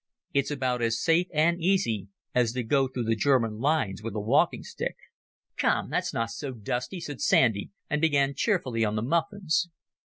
It's about as safe and easy as to go through the German lines with a walking stick." "Come, that's not so dusty," said Sandy, and began cheerfully on the muffins.